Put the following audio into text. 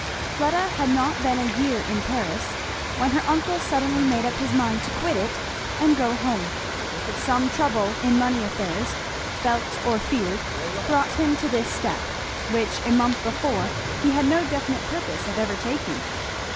Fleda had not been a year in Paris when her uncle suddenly made up his mind to quit it and go home. Some trouble in money affairs, felt or feared, brought him to this step, which a month before he had no definite purpose of ever taking.